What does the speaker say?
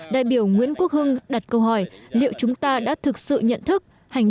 đại biểu nguyễn quốc hưng đặt câu hỏi liệu chúng ta đã thực sự nhận thức